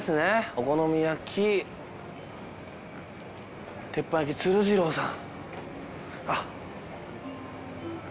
お好み焼鉄板焼つる次郎さん。